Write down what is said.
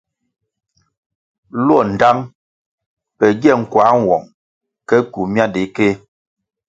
Luo ndtang pe gie nkuăh nwong ke kywu miandikéh.